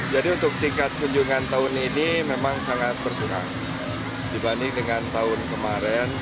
jadi untuk tingkat kunjungan tahun ini memang sangat berkurang dibanding dengan tahun kemarin